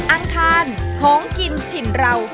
อังคารของกินถิ่นเรา